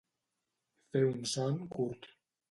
Fer un son curt.